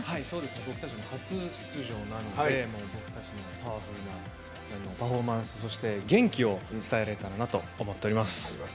僕たちも初出場なので僕たちのパワフルなパフォーマンスそして、元気を伝えられたらなと思っております。